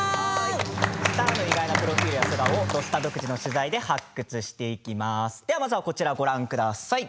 スターの意外なプロフィールや素顔を「土スタ」独自の取材で発掘していきます。